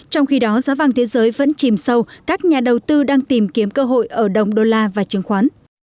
trong khi đó giá vàng thế giới vẫn chìm sâu các nhà đầu tư đang tìm kiếm cơ hội ở đồng đô la và chứng khoán